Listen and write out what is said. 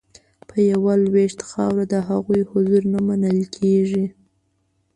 په یوه لوېشت خاوره د هغوی حضور نه منل کیږي